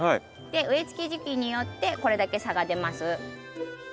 植えつけ時期によってこれだけ差が出ます。